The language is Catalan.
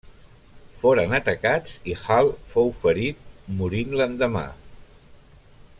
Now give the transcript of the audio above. Foren atacats i Hall fou ferit, morint l'endemà.